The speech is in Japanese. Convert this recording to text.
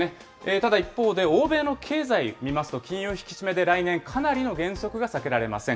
ただ一方で、欧米の経済見ますと、金融引き締めで来年かなりの減速が避けられません。